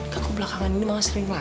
gak usah lah gak usah lah